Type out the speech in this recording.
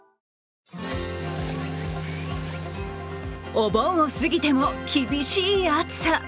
お盆を過ぎても厳しい暑さ。